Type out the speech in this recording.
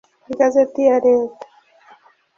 Igazeti ya Leta